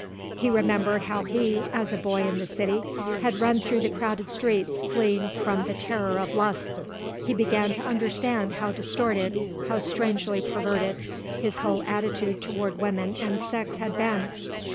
He remembered how he, as a boy in the city, had run through the crowded streets fleeing from the terror of lust. He began to understand how distorted, how strangely perverted, his whole attitude toward women and sex had been.